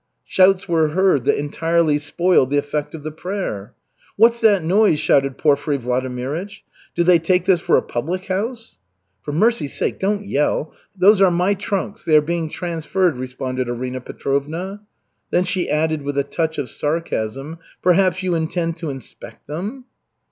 Shouts were heard that entirely spoiled the effect of the prayer. "What's that noise?" shouted Porfiry Vladimirych. "Do they take this for a public house?" "For mercy's sake, don't yell. That is my those are my trunks. They are being transferred," responded Arina Petrovna. Then she added with a touch of sarcasm: "Perhaps you intend to inspect them?"